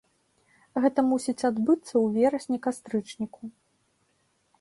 Гэта мусіць адбыцца ў верасні-кастрычніку.